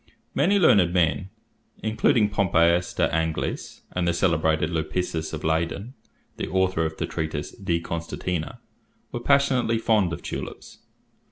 Many learned men, including Pompeius de Angelis and the celebrated Lipsius of Leyden, the author of the treatise "De Constantia," were passionately fond of tulips.